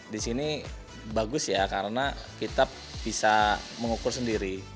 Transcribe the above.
di sini bagus ya karena kita bisa mengukur sendiri